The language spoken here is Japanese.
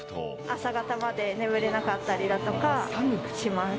朝方まで眠れなかったりだとかします。